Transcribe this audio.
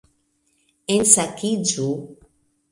Ensakiĝu